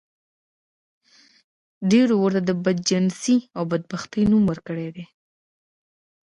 ډېرو ورته د بدچانسۍ او بدبختۍ نوم ورکړی دی.